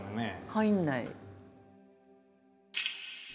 入んない。